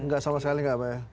enggak sama sekali enggak pak ya